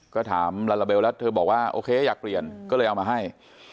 ก็ถามลาลาเบลแล้วเธอบอกว่าโอเคอยากเปลี่ยนก็เลยเอามาให้